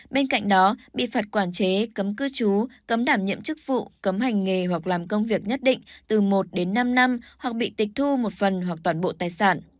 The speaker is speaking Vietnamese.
bên cạnh đó bị phạt quản chế cấm cư trú cấm đảm nhiệm chức vụ cấm hành nghề hoặc làm công việc nhất định từ một đến năm năm hoặc bị tịch thu một phần hoặc toàn bộ tài sản